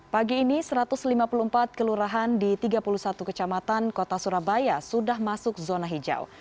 pagi ini satu ratus lima puluh empat kelurahan di tiga puluh satu kecamatan kota surabaya sudah masuk zona hijau